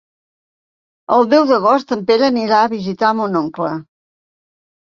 El deu d'agost en Pere anirà a visitar mon oncle.